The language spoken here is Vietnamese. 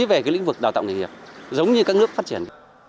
về cái lĩnh vực đào tạo nghề nghiệp giống như các nước phát triển